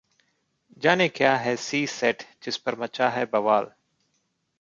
जानें क्या है सी-सैट जिसपर मचा है बवाल